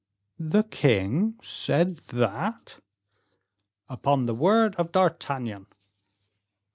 '" "The king said that?" "Upon the word of a D'Artagnan!"